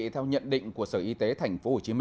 theo nhận định của sở y tế tp hcm